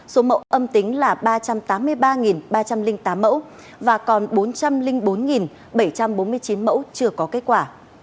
số mẫu âm tính là ba trăm tám mươi ba ba trăm linh tám mẫu và còn bốn trăm linh bốn bảy trăm bốn mươi chín mẫu chưa có kết quả